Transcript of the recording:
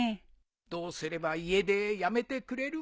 どうすれば家出やめてくれるかの。